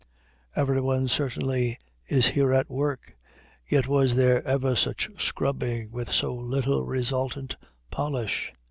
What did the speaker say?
Everyone certainly is here at work, yet was there ever such scrubbing with so little resultant polish?